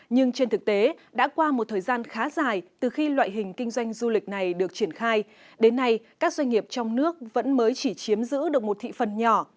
nhưng trên thực tế đã qua một thời gian khá dài từ khi loại hình kinh doanh du lịch này được triển khai đến nay các doanh nghiệp trong nước vẫn mới chỉ chiếm giữ được một thị phần nhỏ